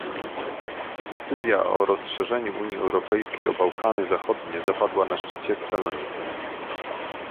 Decyzja o rozszerzeniu Unii Europejskiej o Bałkany Zachodnie zapadła na szczycie w Salonikach